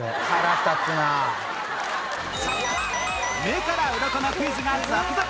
目からうろこのクイズが続々！